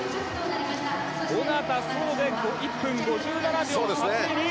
小方颯で１分５７秒８０。